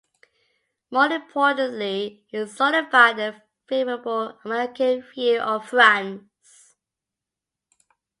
More importantly, he solidified a favorable American view of France.